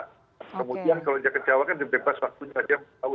kemudian kalau dia ke jawa kan dibebas waktunya aja